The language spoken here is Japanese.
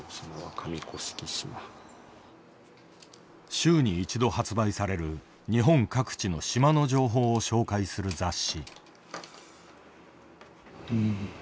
週に一度発売される日本各地の島の情報を紹介する雑誌。